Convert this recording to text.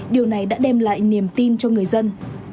điều này đã đem lại niềm tin cho người dân